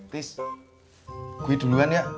tis gue duluan ya